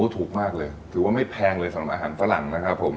ถูกมากเลยถือว่าไม่แพงเลยสำหรับอาหารฝรั่งนะครับผม